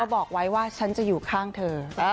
บอกว่าเธออยู่ข้างเธอ